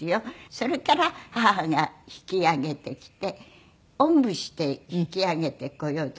それから母が引き揚げてきておんぶして引き揚げてこようと思っていたのよ。